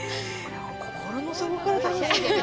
心の底から楽しんでる。